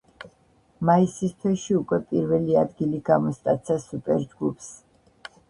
მაისის თვეში უკვე პირველი ადგილი გამოსტაცა სუპერ ჯგუფს.